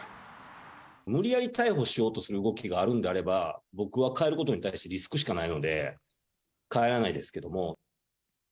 無理やり逮捕しようとする動きがあるんであれば、僕は帰ることに対してリスクしかないので、帰らないですけども。